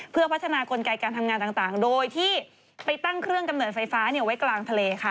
เพื่อพัฒนากลไกการทำงานต่างโดยที่ไปตั้งเครื่องกำเนิดไฟฟ้าไว้กลางทะเลค่ะ